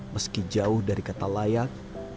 meski jauh dari kata layak